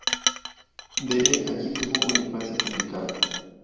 Dele Alli tuvo una infancia complicada.